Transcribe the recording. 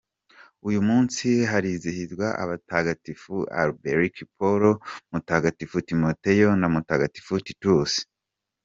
Uyu munsi harizihizwa abatagatifu: Alberic, Paula, mutagatifu Timoteyo, na mutagatifu Titus.